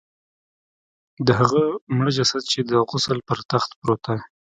د هغه مړه جسد چې د غسل پر تخت پروت دی.